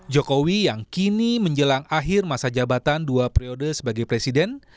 jokowi yang kini menjelang akhir masa jabatan dua periode sebagai presiden